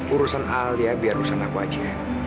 urusan alia biar urusan aku aja